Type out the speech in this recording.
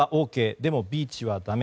でもビーチはだめ。